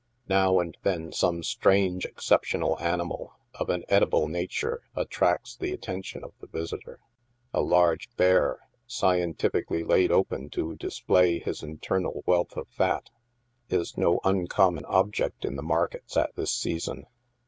Now and then some strange, excep tional animal, of an edible nature, attracts the attention of the visitor. A large bear, scientifically laid open to display his internal wealth of fat, is no uncommon object in the markets at this season.